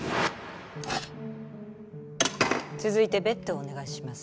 続いてベットをお願いします。